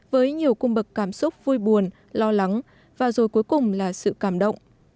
với nhiều cung bậc cảm xúc vui buồn lo lắng và rồi cuối cùng là sự cảm động